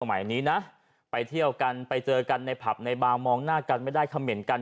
ใหม่นี้นะไปเที่ยวกันไปเจอกันในผับในบางมองหน้ากันไม่ได้คำเหม็นกัน